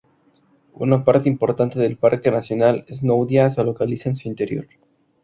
Una parte importante del Parque nacional Snowdonia se localiza en su interior.